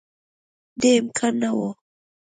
دې امکان نه وو